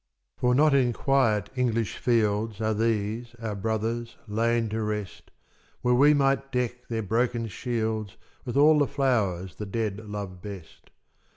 For not in quiet English fields Are these, our brothers, lain to rest, Where we might deck their broken shields With all the flowers the dead love best.